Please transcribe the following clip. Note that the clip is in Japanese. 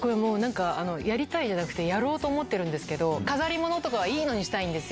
やりたいじゃなくて、やろうと思ってるんですけど、飾り物とかはいいのにしたいんですよ。